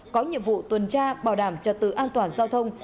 có nhiệm vụ tuần tra bảo đảm trật tự an toàn giao thông